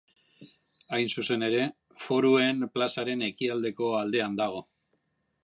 Hain zuzen ere, Foruen plazaren ekialdeko aldean dago.